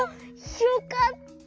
よかった。